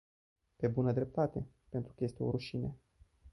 Pe bună dreptate, pentru că este o rușine!